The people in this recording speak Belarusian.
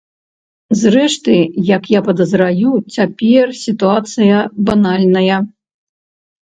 Зрэшты, як я падазраю, цяпер сітуацыя банальная.